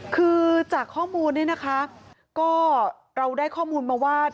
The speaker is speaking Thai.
คือจากข้อมูลเนี่ยนะคะก็เราได้ข้อมูลมาว่า